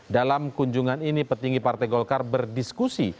dalam kunjungan ini petinggi partai golkar berdiskusi